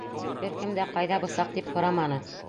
Тик бер кем дә, ҡайҙа бысаҡ, тип һораманы.